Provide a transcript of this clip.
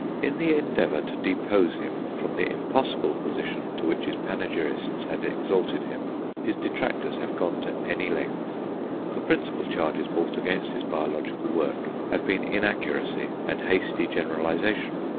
In the endeavour to depose him from the impossible position to which his panegyrists had exalted him, his detractors have gone to any length. The principal charges brought against his biological work have been inaccuracy and hasty generalization.